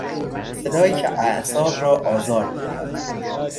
صدایی که اعصاب را آزار میدهد